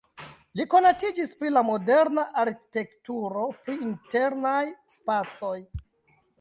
Li konatiĝis pri la moderna arkitekturo pri internaj spacoj.